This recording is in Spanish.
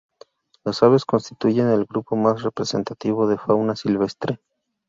La aves constituyen el grupo más representativo de fauna silvestre.